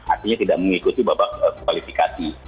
artinya tidak mengikuti babak kualifikasi